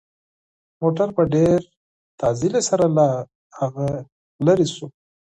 موټر په ډېر سرعت سره له هغه لرې شو.